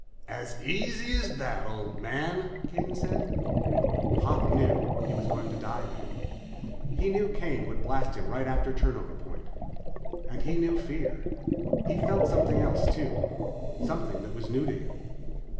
"As easy as that, old man," Kane said. Pop knew he was going to die then. He knew Kane would blast him right after turnover point, and he knew fear. He felt something else, too. Something that was new to him.